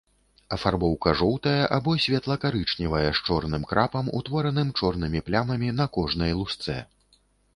Афарбоўка жоўтая або светла-карычневая з чорным крапам, утвораным чорнымі плямамі на кожнай лусцэ.